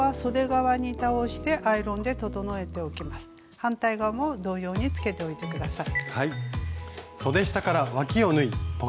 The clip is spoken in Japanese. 反対側も同様につけておいて下さい。